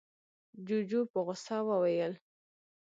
جُوجُو په غوسه وويل: